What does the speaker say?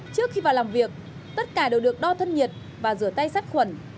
trước khi vào làm việc tất cả đều được đo thân nhiệt và rửa tay sát khuẩn